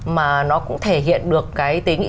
mà nó cũng thể hiện được cái tính